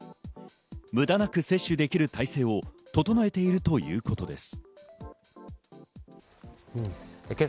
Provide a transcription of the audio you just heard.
無駄なく接種できる体制を整えているということです。